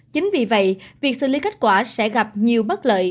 chính vì vậy việc xử lý kết quả sẽ gặp nhiều bất lợi